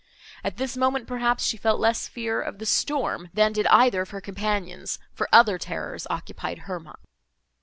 At this moment, perhaps, she felt less fear of the storm, than did either of her companions, for other terrors occupied her mind.